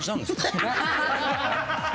ハハハハ！